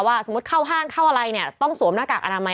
สมมุติเข้าห้างเข้าอะไรเนี่ยต้องสวมหน้ากากอนามัย